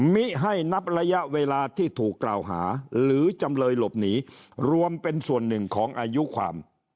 มิให้นับระยะเวลาที่ถูกกล่าวหาหรือจำเลยหลบหนีรวมเป็นส่วนหนึ่งของอายุความ